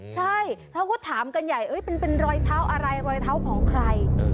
ใช่เขาก็ถามกันใหญ่มันเป็นรอยเท้าอะไรรอยเท้าของใคร